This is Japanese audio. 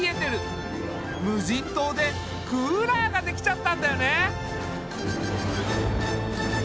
無人島でクーラーができちゃったんだよね！